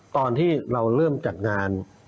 ตอนที่เราเริ่มจัดงาน